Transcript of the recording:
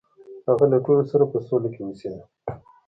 هغه له ټولو سره په سوله کې اوسیده.